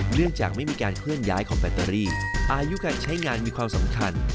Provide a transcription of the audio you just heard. เนื่องจากไม่มีการเคลื่อนย้ายของแบตเตอรี่อายุการใช้งานมีความสำคัญ